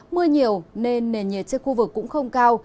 mưa nhiều nên nền nhiệt trên khu vực cũng không cao